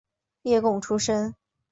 例贡出身。